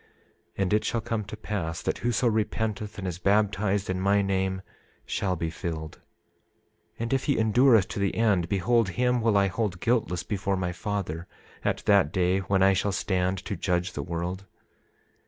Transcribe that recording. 27:16 And it shall come to pass, that whoso repenteth and is baptized in my name shall be filled; and if he endureth to the end, behold, him will I hold guiltless before my Father at that day when I shall stand to judge the world.